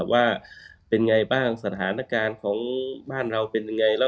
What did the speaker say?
ว่าเป็นไงบ้างสถานการณ์ของบ้านเราเป็นยังไง